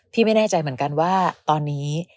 พี่ไม่แน่ใจเหมือนกันว่าตอนนี้